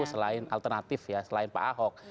selain alternatif ya selain pak ahok